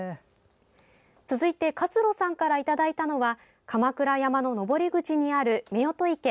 続いて勝呂さんからいただいたのは鎌倉山の登り口にある、夫婦池。